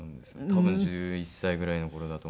多分１１歳ぐらいの頃だと思います。